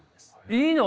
いいの？